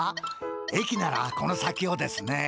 駅ならこの先をですね。